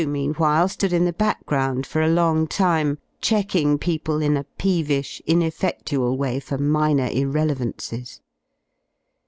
mean while ^ood in the background for a long time, checking people in a peevish ineffedlual way for minor irrelevances.